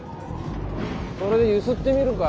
それで揺すってみるか？